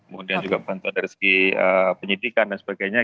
kemudian juga bantuan dari segi penyidikan dan sebagainya